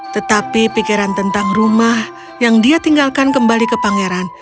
tetapi pikiran tentang rumah yang dia tinggalkan kembali ke pangeran